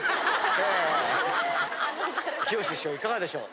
きよし師匠いかがでしょう？